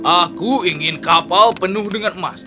aku ingin kapal penuh dengan emas